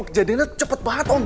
kejadiannya cepet banget om